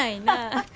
ハハハハ。